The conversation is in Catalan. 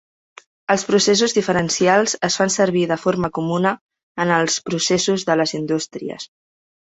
Les pressions diferencials es fan servir de forma comuna en els processos de les indústries.